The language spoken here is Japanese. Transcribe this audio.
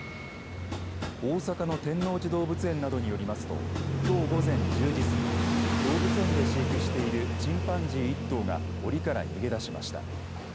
大阪の天王寺動物園などによりますときょう午前１０時過ぎ動物園で飼育しているチンパンジー１頭がおりから逃げ出しました。